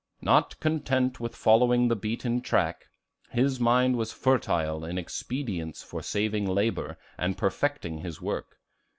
Not content with following the beaten track, his mind was fertile in expedients for saving labor and perfecting his work.